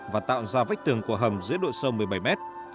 và tạo ra vách tường của hầm dưới độ sâu một mươi bảy mét